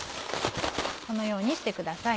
このようにしてください。